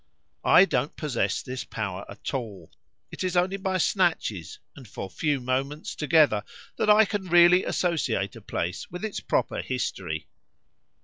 I don't possess this power at all; it is only by snatches, and for few moments together, that I can really associate a place with its proper history.